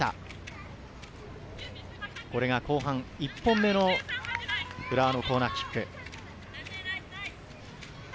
後半１本目の浦和のコーナーキック。